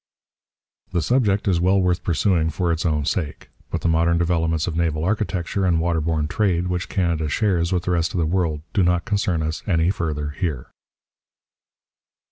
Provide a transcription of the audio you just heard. The subject is well worth pursuing for its own sake. But the modern developments of naval architecture and waterborne trade which Canada shares with the rest of the world do not concern us any further here.